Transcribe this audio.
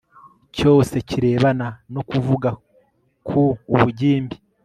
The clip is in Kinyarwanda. cyose kirebana no kuvuga ku ubugimbi